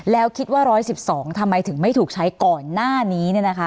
แล้วคิดว่า๑๑๒ทำไมถึงไม่ถูกใช้ก่อนหน้านี้